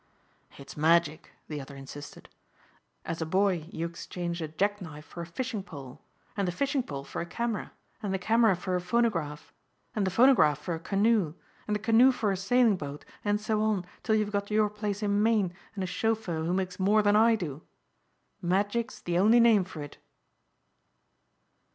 "It's magic," the other insisted, "as a boy you exchanged a jack knife for a fishing pole and the fishing pole for a camera and the camera for a phonograph and the phonograph for a canoe and the canoe for a sailing boat and so on till you've got your place in Maine and a chauffeur who makes more than I do! Magic's the only name for it."